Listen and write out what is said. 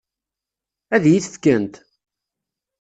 Ad iyi-t-fkent?